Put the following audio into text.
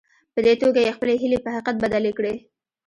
په دې توګه يې خپلې هيلې په حقيقت بدلې کړې.